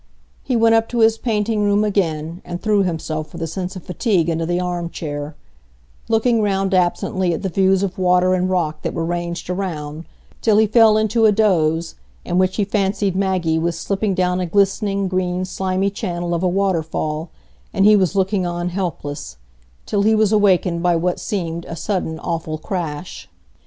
He went up to his painting room again, and threw himself with a sense of fatigue into the armchair, looking round absently at the views of water and rock that were ranged around, till he fell into a doze, in which he fancied Maggie was slipping down a glistening, green, slimy channel of a waterfall, and he was looking on helpless, till he was awakened by what seemed a sudden, awful crash.